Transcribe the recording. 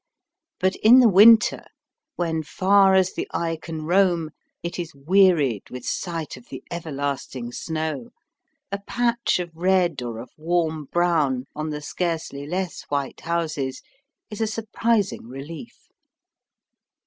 But in the winter, when far as the eye can roam it is wearied with sight of the everlasting snow, a patch of red or of warm brown on the scarcely less white houses is a surprising relief.